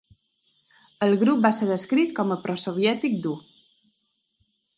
El grup va ser descrit com a pro-soviètic dur.